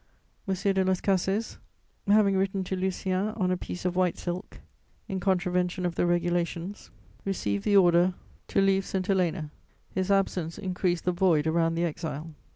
M. de Las Cases, having written to Lucien on a piece of white silk, in contravention of the regulations, received the order to leave St. Helena: his absence increased the void around the exile.